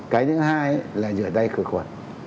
cái thứ hai là rửa tay khởi khuẩn